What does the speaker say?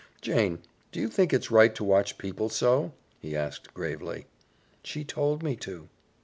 "Jane, do you think it's right to watch people so?" he asked gravely. "She told me to."